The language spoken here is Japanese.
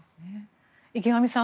池上さん